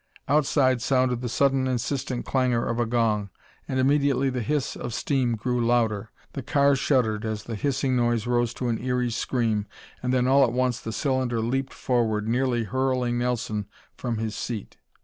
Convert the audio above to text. Outside sounded the sudden insistent clangor of a gong, and immediately the hiss of steam grew louder. The car shuddered as the hissing rose to an eery scream, then all at once the cylinder leaped forward, nearly hurling Nelson from his seat.